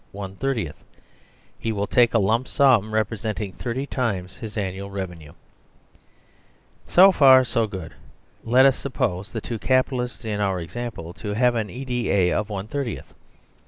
147 THE SERVILE STATE one thirtieth, he will take a lump sum representing thirty times his annual revenue. So far so good. Let us suppose the two Capitalists in our example to have an E.D.A. of one thirtieth.